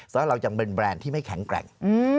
สำหรับเราจะเป็นแบรนด์ที่ไม่แข็งแกร่ง